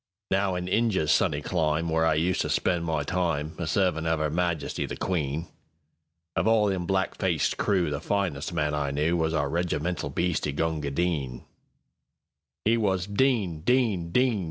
Now in Injia's sunny clime, Where I used to spend my timeA servin' of 'Er Majesty the Queen, Of all them black faced crewThe finest man I knewWas our regimental bhisti, Gunga Din.It was "Din! Din! Din!